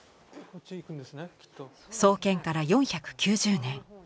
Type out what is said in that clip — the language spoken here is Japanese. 創建から４９０年